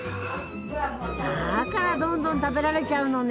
だからどんどん食べられちゃうのね。